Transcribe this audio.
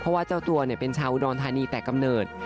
เพราะว่าเจ้าตัวเป็นชาวอุดรธานีแต่กำเนิด